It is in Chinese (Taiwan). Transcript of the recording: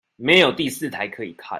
沒有第四台可以看